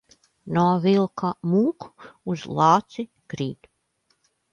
No vilka mūk, uz lāci krīt.